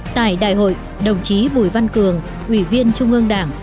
tại đại hội đồng chí bùi văn cường ủy viên trung ương đảng